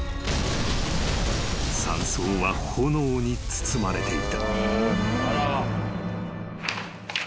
［山荘は炎に包まれていた］